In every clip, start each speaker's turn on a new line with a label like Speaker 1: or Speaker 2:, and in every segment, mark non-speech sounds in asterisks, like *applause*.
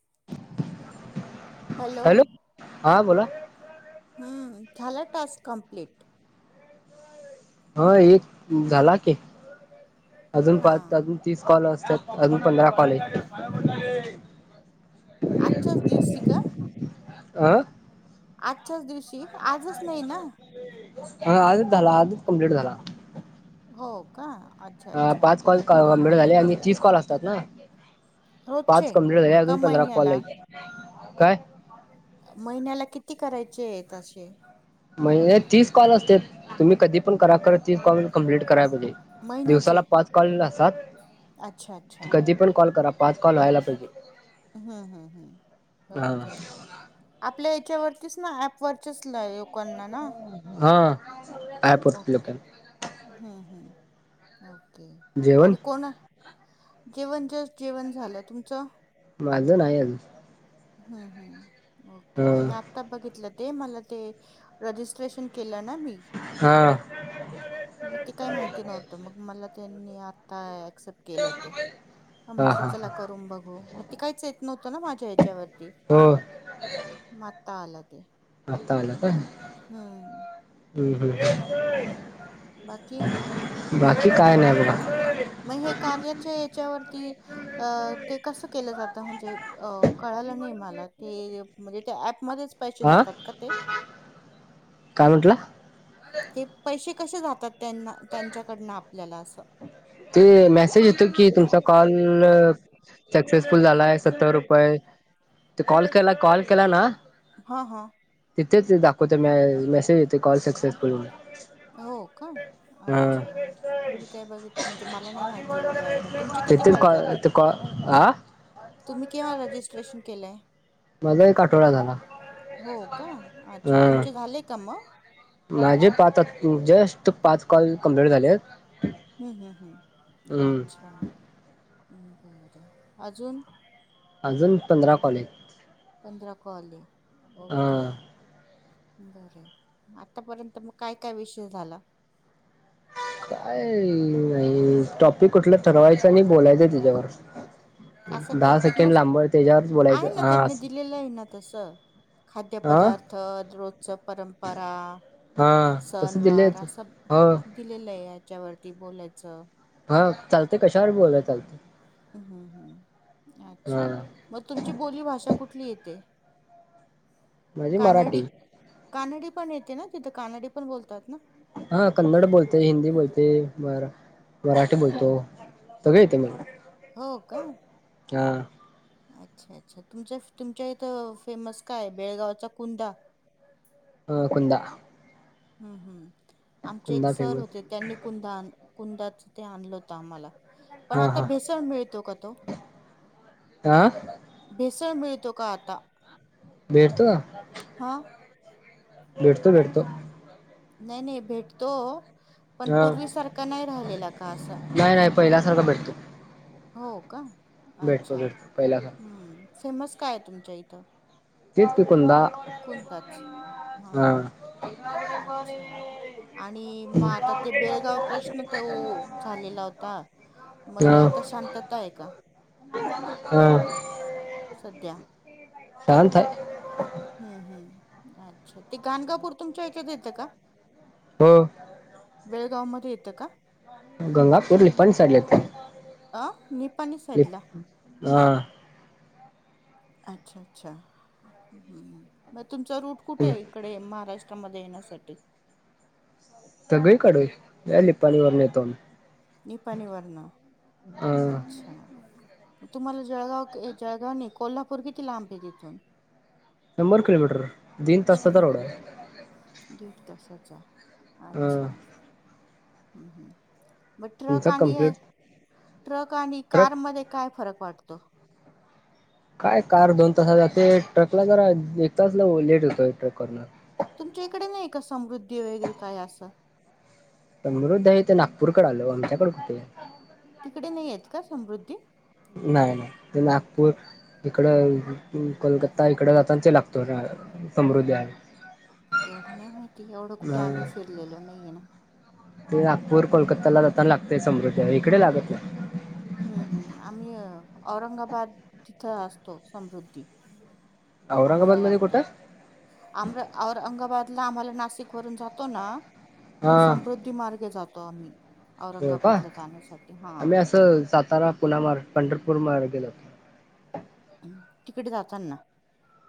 Speaker 1: *inaudible*
Speaker 2: Hello
Speaker 1: हा बोला
Speaker 2: हम्म झाला टास्क कंप्लीट.
Speaker 1: हो एक झाला की अजून पाच
Speaker 2: हां
Speaker 1: अजून तीस कॉल असतात. अजून पंधरा कॉल आहेत.
Speaker 2: आजच्याच दिवशी का.
Speaker 1: आं
Speaker 2: आजच्याच दिवशी आजच नाही ना.
Speaker 1: ह आजच झाला आजच कं्प्लीट झाला
Speaker 2: हो का अच्छा
Speaker 1: ह
Speaker 2: अच्छा
Speaker 1: पाच कॉल मिेळ झाले आणि तीस कॉल असतात ना
Speaker 2: रोजचे
Speaker 1: पाच कंप्लिट झाली
Speaker 2: का
Speaker 1: अजून पंधरा कॉल
Speaker 2: महिन्याला
Speaker 1: हाईत काय
Speaker 2: महिन्याला किती करायचे आहेत असे
Speaker 1: महिन्याला तीस कॉल असतेत तुम्ही कधी पण करा कर तीस कॉल कम्प्लीट करा दिवसाला
Speaker 2: महिन्याचे
Speaker 1: पाच कॉल
Speaker 2: अच्छा अच्छा
Speaker 1: असात कधी पण कॉल करा पाच कॉल व्हायला पाहिजे
Speaker 2: हम्म हम् हम् ओके
Speaker 1: हा
Speaker 2: आपल्या याच्यावर तेच ना अँप वरच्याच ला लोकांना ना
Speaker 1: हा
Speaker 2: ओके
Speaker 1: ॲपवर
Speaker 2: हम्म हम् ओके
Speaker 1: जेवण
Speaker 2: आणि कोण जेवण जस् जेवण झालं तुमचं
Speaker 1: माझ नाही अजून
Speaker 2: हम् हम् ओके मी
Speaker 1: हा
Speaker 2: आता बघितलं ते मला ते रजिस्ट्रेशन केलं ना मी
Speaker 1: हा
Speaker 2: मग ते काही माहिती नव्हतं मग मला त्यांनी आता चप केल ते मग
Speaker 1: हा
Speaker 2: म्हंटल
Speaker 1: हा
Speaker 2: चला
Speaker 1: हा
Speaker 2: करून बगु मग ते काहीच येत नव्हतं ते ना माझ्या ह्याच्यावरती
Speaker 1: हो
Speaker 2: मता आल ते
Speaker 1: हतावाला काय हम्
Speaker 2: हम्म
Speaker 1: हम्
Speaker 2: बाकी
Speaker 1: बाकी काय नाही बघ
Speaker 2: मग हे कार्याच्या याच्यावरती अ ते कसं केलं जातं म्हणजे अ कळाला नाही मला ते म्हणजे त्या ऍपमध्येध्येच पैसे
Speaker 1: हा
Speaker 2: जातात का ते
Speaker 1: काय म्हटलं
Speaker 2: ते पैसे कसे जातात त्यां त्यांच्याकडन आपल्याला
Speaker 1: ते मेसेज येतो की तुमचा कॉल सक्सेसफुल झालाय सत्तर रुपये कॉल केला कॉल केला ना
Speaker 2: हा हा
Speaker 1: तिथेच दाखवत म मेसेज येतो कॉल सक्सेसफुल हो
Speaker 2: हो का अच्छा मी काय बघित म्हणजे मला नाही माहिती एवढी आयडिया तुमचे किती
Speaker 1: तेथ
Speaker 2: कॉल
Speaker 1: क
Speaker 2: झाले
Speaker 1: ते अ
Speaker 2: तुम्ही केव्हा रजिस्ट्रेशन केलंय
Speaker 1: माझा एक आठवडा झाला
Speaker 2: हो का अच्छा
Speaker 1: हा
Speaker 2: तुमचे झाले का मग
Speaker 1: माझे पाच जस्ट पाच कॉल कुंप्लेंट झालेत
Speaker 2: हम्म ह ह अच्छा ् बरं अजून
Speaker 1: अजून पंधरा कॉलहायत
Speaker 2: पधरा कॉलय ओके
Speaker 1: हा
Speaker 2: बर आतापर्यंत मग काय काय विषय झाला
Speaker 1: काय नाही टॉपिक कुठलं ठरवायचं अन बोलायचंय त्याच्यावर
Speaker 2: असा
Speaker 1: दहा
Speaker 2: टॉपिक
Speaker 1: सेकंड
Speaker 2: नस
Speaker 1: लांबवर त्याच्या
Speaker 2: आहे ना त्यांनी दिलेलं आहे ना तस खाद्य
Speaker 1: हा
Speaker 2: पदार्थ रोजच परंपरा
Speaker 1: हा
Speaker 2: सण
Speaker 1: तसं
Speaker 2: वार
Speaker 1: दिलेच
Speaker 2: अस
Speaker 1: हो
Speaker 2: दिलेल आहे त्यावरती बोलायचं
Speaker 1: हा चालतेय कशावर बी बोल तर हा
Speaker 2: अच्छा मग तुमची बोली भाषा कुठ येत
Speaker 1: माझी
Speaker 2: कानडी
Speaker 1: मराठी
Speaker 2: कानडी पण येते ना तिथं कानडी पण बोलतात ना
Speaker 1: हा कन्नड बोलते हिंदी बोलते म मराठी बोलतो सगळं येत मला
Speaker 2: हो का
Speaker 1: का
Speaker 2: अच्छा अच्छा तुम तुमच्या इथं फेमस काय बेळगावचा कुंदा
Speaker 1: अ कुंदा
Speaker 2: हम्म हम्म आमचे एक
Speaker 1: कुंदा
Speaker 2: सर
Speaker 1: फेमस
Speaker 2: होते त्यांनी कुदा कुंदाच ते आणलं होतं आम्हाला पण
Speaker 1: हा
Speaker 2: आता
Speaker 1: हा
Speaker 2: भेसळ मिळतो का तो
Speaker 1: हा
Speaker 2: भेसळ मिळतो का आता
Speaker 1: भेटतो
Speaker 2: हा
Speaker 1: भेटतो भेटतो
Speaker 2: नाही नाही भेटतो पण
Speaker 1: हा
Speaker 2: पूर्वी सारखा नाही राहिलेला का असा
Speaker 1: नाही नाही पहिल्यासारखा भेटतो
Speaker 2: हो का
Speaker 1: भेटतो
Speaker 2: अच्छा
Speaker 1: भेटतो पहिल्या
Speaker 2: हम्म
Speaker 1: सारखा
Speaker 2: फेमस काय तुमच्या इथ.
Speaker 1: *unintelligible*
Speaker 2: कोणताच? हा हा अच्छा. आणि मग आता ते बेळगाव प्रश्न तर झालेला होता. मग
Speaker 1: हा
Speaker 2: आता शांतता आहे का?
Speaker 1: हा *inaudible*
Speaker 2: सध्या
Speaker 1: शांत आहे.
Speaker 2: हम्म हम्म अच्छा ते गाणगापूर तुमच्या इथेच येत का?
Speaker 1: हो.
Speaker 2: बेळगाव मध्ये येत का?
Speaker 1: गंगापूर निपाणी साईडला येतय.
Speaker 2: अ निपाणी साईडला
Speaker 1: हा.
Speaker 2: अच्छा अच्छा ह् मग तुमचा रूट कुठे आहे? इकडे महाराष्ट्र, मध्ये येण्यासाठी.
Speaker 1: सगळीकडे निपाणी वरून येतो आम्ही.
Speaker 2: निपाणी वरन
Speaker 1: हा
Speaker 2: अच्छा. तुम्हाला जळगाव जळगाव न कोल्हापूर किती लांब आहे तिथून.
Speaker 1: शंभर किलोमीटर तिन तासाचा
Speaker 2: शं
Speaker 1: रोड आहे.
Speaker 2: दीड तासाचा
Speaker 1: हा
Speaker 2: अच्छा. हम्म हम्म. मग ट्रक
Speaker 1: तुमचा
Speaker 2: आणि
Speaker 1: कंप्लीट
Speaker 2: ट्रक आणि
Speaker 1: ट्रक
Speaker 2: कार मध्ये काय फरक वाटतो. वा
Speaker 1: काय कार दोन तासात जाते. ट्रकला जरा एक तास लेट होतोय ट्रक वरून.
Speaker 2: तुमच्या इकडे नाही का समृद्धी वगैरे काय अस.
Speaker 1: समृद्धी आहे ते नागपूरकडे आलो हो आमच्याकडे कुठे.
Speaker 2: तिकडे नाही आहेत का समृद्धी.
Speaker 1: नाही नाही ते नागपूर, इकड कोलकत्ता इकड जाता ते लागतो समृद्ध
Speaker 2: तेवढ नाही माहिती एवढ कुठे आम्ही फिरलेलो नाहीये ना.
Speaker 1: ते नागपूर कोलकाता ला जाताना लागतय समृद्धी इकडे लागत नाही.
Speaker 2: हम्म हम्म आम्ही औरंगाबाद तिथ असतो समृद्धी.
Speaker 1: औरंगाबाद
Speaker 2: आम्हाला
Speaker 1: मध्ये
Speaker 2: लागतो.
Speaker 1: कुठं
Speaker 2: औरंगाबादला आम्हाला नाशिक वरून जातो ना
Speaker 1: हा
Speaker 2: तर समृद्धी मार्गे जातो आम्ही.
Speaker 1: हो का
Speaker 2: औरंगाबादला जाण्यासाठी हा
Speaker 1: आम्ही अस सातारा पुना मार्ग पंढरपूर मार्ग *inaudible*
Speaker 2: तिकडे जाताना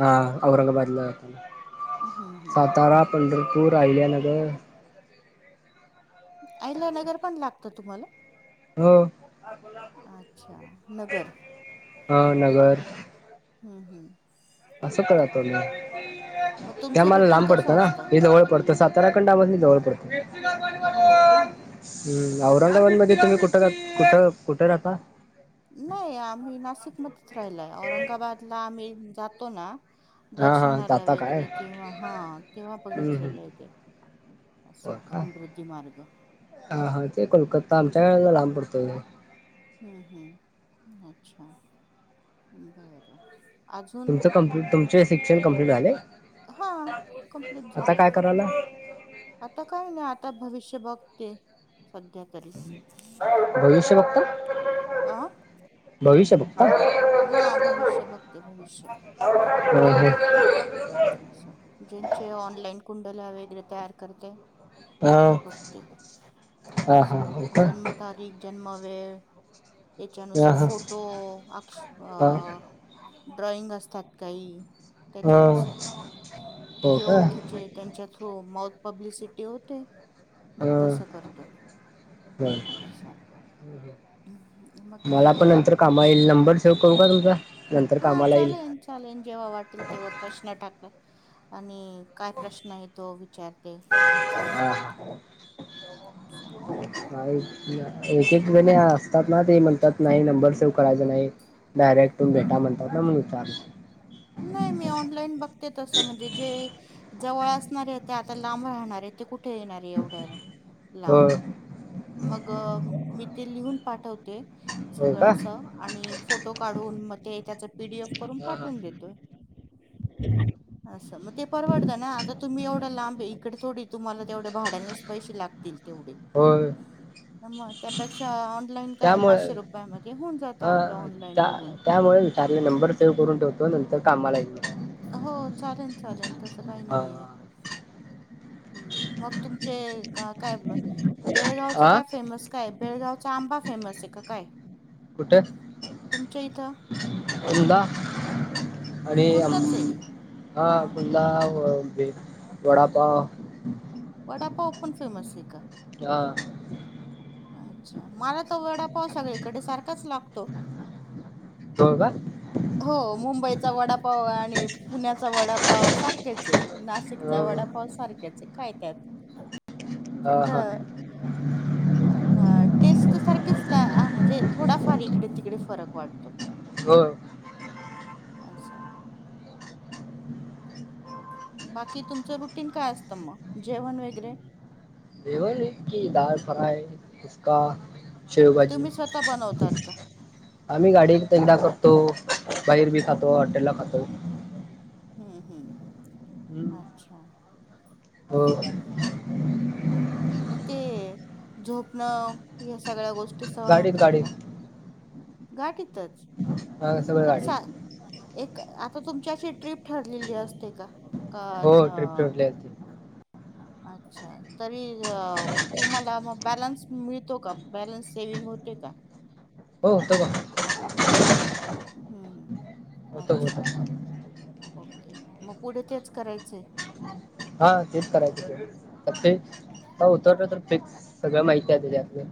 Speaker 1: हा औरंगाबादला जाताना.
Speaker 2: हम्म हम्म
Speaker 1: सातारा पंढर पूर, अहिल्यानगर
Speaker 2: अहिलनगर पण लागत तुम्हाला.
Speaker 1: हो
Speaker 2: अच्छा नगर.
Speaker 1: हा नगर
Speaker 2: हम हम.
Speaker 1: *inaudible* ते
Speaker 2: मग तुमचं
Speaker 1: आम्हा ला
Speaker 2: रुटीन
Speaker 1: लांब पडत
Speaker 2: कसं
Speaker 1: ना
Speaker 2: असतं
Speaker 1: हे जवळ पडत सातारा कडन आम्हासनी जवळ पडत.
Speaker 2: हो का.
Speaker 1: औरंगाबादमध्ये तुम्ही कुठ कुठ कुठ राहता.
Speaker 2: नाही आम्ही नासिक मध्येच राहिलो य औरंगाबादला आम्ही जातो ना.
Speaker 1: हा हा
Speaker 2: दर्शनाला
Speaker 1: जाता काय
Speaker 2: वेगेरे तेव्हा हा तेव्हा
Speaker 1: हम्म हम्म
Speaker 2: बघितलेलं आहे ते.
Speaker 1: हो
Speaker 2: असं
Speaker 1: का
Speaker 2: समृद्धी मार्ग
Speaker 1: हा हा ते कोलकताम. *unintelligible* लांब पडतं ते
Speaker 2: हम्म हम्म, अच्छा! बरं अजून
Speaker 1: तुमचं कम्प्लीट, तुमचे शिक्षण कम्प्लीट झाले?
Speaker 2: हा कंप्लीट
Speaker 1: आता
Speaker 2: झालंय
Speaker 1: काय कराला?
Speaker 2: आता काय नाय आता भविष्य बघते. सध्या तरी
Speaker 1: *unintelligible* भविष्य बघताय
Speaker 2: आ
Speaker 1: भविष्य ब
Speaker 2: हा भविष्य बघते भविष्य
Speaker 1: ह ह
Speaker 2: असं ज्यांचे ऑनलाईन कुंडल्या वगैरे तयार करते.
Speaker 1: ह
Speaker 2: ते बघते
Speaker 1: हा हा
Speaker 2: असं,
Speaker 1: हो का
Speaker 2: जन्मतारीख जन्म वेळ
Speaker 1: ह
Speaker 2: त्याच्यानुसार
Speaker 1: हा
Speaker 2: फोटो अक्ष
Speaker 1: ह
Speaker 2: अ ड्रॉइंग असतात काही त्याच्यानुसार
Speaker 1: हाच
Speaker 2: जे ओळखीचे त्यांच्या थ्रू माऊथ पब्लिसिटी होते. मग
Speaker 1: ह
Speaker 2: तस करतो
Speaker 1: बर
Speaker 2: असं *unintelligible*
Speaker 1: मला पण
Speaker 2: येतात
Speaker 1: नंतर कामा येईल, नंबर सेव करू काय तुमचा? नंतर कामाला येईल.
Speaker 2: तील तेव्हा प्रश्न टाक. *unintelligible* आणि काय प्रश्न आहे तो विचारते.
Speaker 1: हा
Speaker 2: असं
Speaker 1: *unintelligible* एक एक जणे
Speaker 2: हम्म
Speaker 1: असतात ना ते म्हणतात. नाही नंबर सेव्ह करायचा नाही, डायरेक्ट तुम्ही भेटा म्हणतात ना म्हणून विचारलो.
Speaker 2: नाई मी ऑनलाईन बघते तसं म्हणजे जे जवळ असणारे ते आता लांब राहणारे ते कुठे येणारे एवढ्या
Speaker 1: हो
Speaker 2: लांब मग मी ते लिहून पाठवते.
Speaker 1: हो
Speaker 2: सगळं
Speaker 1: का
Speaker 2: असं आणि फोटो काढून म ते त्याचं पी डी एफ करून
Speaker 1: ह हा
Speaker 2: पाठवून देतोय. असं मग ते परवडत ना, आता तुम्ही एवढया लांब ए इकड थोडी तुम्हाला तेवढ्या भाड्यानच पैसे लागतील तेवढे
Speaker 1: होय
Speaker 2: मग त्यापेक्षा ऑनलाईन काय
Speaker 1: त्यामुळे
Speaker 2: पाचशे रुपयामध्ये होऊन जात आपलं ऑनलाइन बघून
Speaker 1: कार्य नंबर सेव्ह करून ठेवतो नंतर कामाला येईल.
Speaker 2: हो चालेल चालेन तसं काय नईये
Speaker 1: हा
Speaker 2: हम्म मग तुमचे का काय ब बेळगावचं
Speaker 1: आ
Speaker 2: काय फेमस काय, बेळगावचा आंबा फेमस ये का काय?
Speaker 1: कुठ
Speaker 2: तुमच्या इथं
Speaker 1: उंदा अरे अम
Speaker 2: कोणताच आहे
Speaker 1: हा
Speaker 2: हां
Speaker 1: कुंदा व *unintelligible* वडापाव
Speaker 2: वडापाव पण फेमस ये का?
Speaker 1: आ.
Speaker 2: अच्छा! मला त वडापाव सगळीकडे सारखाच लागतो.
Speaker 1: होय का?
Speaker 2: हो मुंबईचा वडापाव आणि पुण्याचा वडापाव सारखेच ये नाशिकचा व वडापाव सारखेच ये काय त्यात
Speaker 1: हा
Speaker 2: फक्त
Speaker 1: हा
Speaker 2: अ ह टेस्ट सारखेच ला आ म्हणजे थोडाफार इकडे तिकडे फरक वाट
Speaker 1: *unintelligible*
Speaker 2: अस बाकी तुमचं रुटीन काय असतं मग जेवण वेगेरे
Speaker 1: जेवन हेच की दाल फ्राय *unintelligible* शेवभाजी,
Speaker 2: तुम्ही स्वतः बनवतात का
Speaker 1: आम्ही गाडी *unintelligible* कर तो बाहेर बी खातो, हॉटेल ला खातो.
Speaker 2: हम्म हम्म,
Speaker 1: हम्म
Speaker 2: अच्छा!
Speaker 1: हो
Speaker 2: बर मके झोपणं या सगळ्या गोष्टी सहन
Speaker 1: गाडीत
Speaker 2: होतात
Speaker 1: गाडीत
Speaker 2: का? गाडीत. तच.
Speaker 1: सगळं गाडीत
Speaker 2: *unintelligible* आता तुमच्याशी ट्र्रीप ठरलेली असते का? का
Speaker 1: हो ट्रिप
Speaker 2: न-
Speaker 1: *unintelligible*
Speaker 2: अच्छा तरी अ तुम्हाला म.. बॅलन्स मिळतो का बॅलन्स सेवि्हंग होते का?
Speaker 1: हो *unintelligible*
Speaker 2: हम्म.
Speaker 1: होत
Speaker 2: अच्छा
Speaker 1: होत
Speaker 2: ओके. मग पुढे तेच करायचंय.
Speaker 1: हा तेच करायचं तर ते उतर तर तेच सगळं माहती आहे त्याच्यातले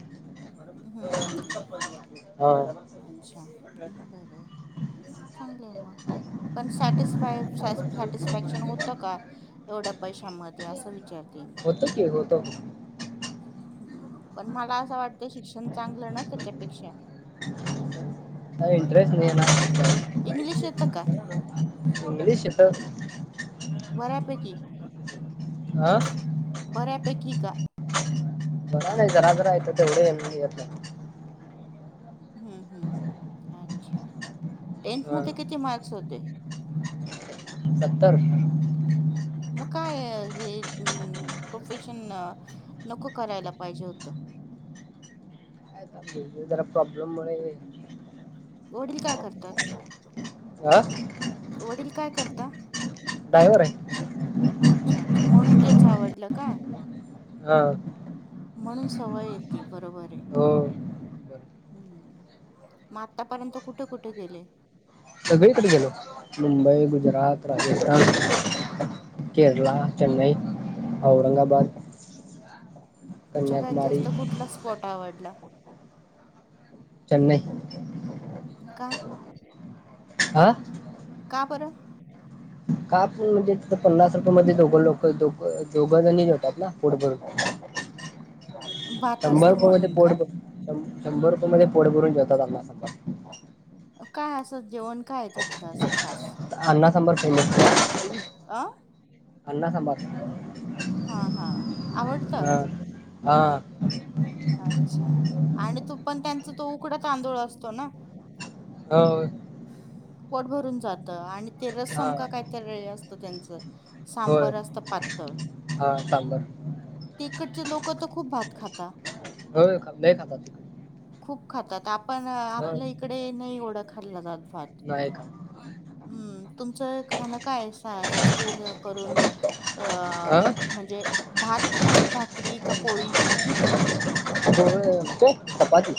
Speaker 2: हम्म हम्म हम्म
Speaker 1: हा.
Speaker 2: अच्छा बरं हाय. चांगल हाय मं, पण सॅटिसफाय, सॅटिसफाकशन होत का? एवढ्या पैशामध्ये असं विचारते मी
Speaker 1: होतो की होतो.
Speaker 2: पण मला असं वाटतं शिक्षण चांगलं ना त्याच्यापेक्षा.
Speaker 1: इंटरस्ट *unintelligible*
Speaker 2: इंग्लिश येतं का?
Speaker 1: त.
Speaker 2: बऱ्यापैकी.
Speaker 1: हा
Speaker 2: बऱ्यापैकी का.
Speaker 1: बरा नाही जरा जरा यत ते एवढे *unintelligible*
Speaker 2: हम्म हम्म अच्छा. टेन्थ
Speaker 1: ह
Speaker 2: मध्ये किती मार्क्स होते
Speaker 1: सत्तर.
Speaker 2: मग काय हे प्रोफेशन नको करायला पाहिजे होतं. रिकामा ऑडिओ
Speaker 1: *unintelligible* जरा प्रॉब्लेम मुळे..
Speaker 2: वडील काय करतात?
Speaker 1: हा
Speaker 2: वडील काय करता?
Speaker 1: ड्रायव्हर आहे
Speaker 2: अच्छा अच्छा म्हणून तेच आवडलं का?
Speaker 1: हा.
Speaker 2: म्हणून सवय येते बरोबर आहे.
Speaker 1: हो
Speaker 2: हम्म मग आतापर्यंत कुठे कुठे गेले?
Speaker 1: सगळीकडे गेलो मुंबई, गुजरात, राजस्थान. केरला चेन्नई औरंगाबाद.
Speaker 2: सगळ्यात
Speaker 1: कन्याकुमारी
Speaker 2: जास्त कुठला स्पॉट आवडला?
Speaker 1: चे्नई.
Speaker 2: का?
Speaker 1: हा
Speaker 2: का बरं
Speaker 1: का पण म्हणजे पन्नास रुपये मध्ये दोघं लोक दो दोघंजनी जेवतावं ना पोटभरून
Speaker 2: रिकामा ऑडिओ
Speaker 1: शंभर रुपये मध्ये पोटभर शंभर रुपये मध्ये पोटभरून जेवतावात आम्ही संभा‌
Speaker 2: काय असं जेवण काय तिथलं असं खास?
Speaker 1: *unintelligible*
Speaker 2: अ.
Speaker 1: अंडा सांबार.
Speaker 2: हा हा आवडत.
Speaker 1: हा हा.
Speaker 2: अच्छा आणि तो पण त्यांच तो उकडा तांदूळ असतो ना?
Speaker 1: हो.
Speaker 2: पोट भरून जातं आणि ते
Speaker 1: हा
Speaker 2: रस्सम का काय तरी असतं त्यांचं
Speaker 1: होय
Speaker 2: सांबर असत पातळ
Speaker 1: हा सांबार
Speaker 2: तिकडचे लोक त खूप खूप भात खाता.
Speaker 1: हो लई खातातं तिकडे
Speaker 2: खूप खातात आपण
Speaker 1: हा
Speaker 2: आपल्या इकडे नाही येवढा खाल्ला जात भात.
Speaker 1: नाही *unintelligible*
Speaker 2: हम्म तुमचं खाणं काय आहे? सा जास्त करून अ
Speaker 1: हा
Speaker 2: म्हणजे भात की भाकरी का पोळी?
Speaker 1: *unintelligible* आमच्या कड असते चपाती.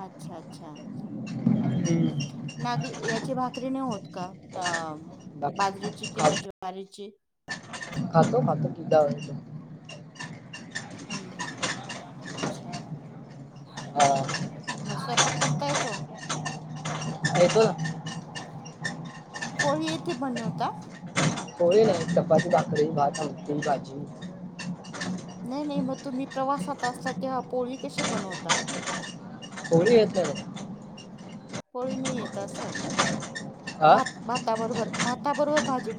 Speaker 2: अच्छा अच्छा हम्म
Speaker 1: हम्म.
Speaker 2: नागली याची भाकरी नाही होत का? अ
Speaker 1: बाकी-
Speaker 2: बाजरीची किंवा
Speaker 1: खा-
Speaker 2: जवारीची?
Speaker 1: खातो खातो की जवारीच.
Speaker 2: हम्म हम्म अच्छा बरंय
Speaker 1: हा
Speaker 2: म स्वयपाक कर काय तो
Speaker 1: येतोय.
Speaker 2: पोळी येते बनवता?
Speaker 1: पोळी नाही चपाती, भाकरी, भात, आमटी, भाजी
Speaker 2: नाही नाही म तुम्ही प्रवासात असता, तेव्हा पोळी कशी बनवता
Speaker 1: पोळी येत नाहीं.
Speaker 2: पोळी नाही येत असं
Speaker 1: हा
Speaker 2: भात भाता बरोबर भात‍ भाता बरोबर भाजी खा